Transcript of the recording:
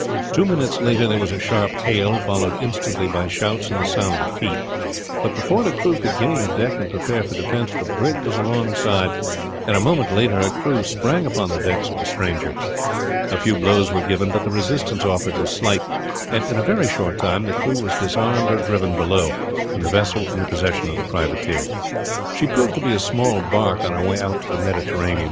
Two minutes later there was a sharp hail, followed instantly by shouts and the sound of feet; but before the crew could gain the deck and prepare for defence the brig was alongside, and a moment later her crew sprang upon the decks of the stranger. A few blows were given; but the resistance offered was slight, and in a very short time the crew were disarmed or driven below, and the vessel in the possession of the privateer. She proved to be a small bark on her way out to the Mediterranean.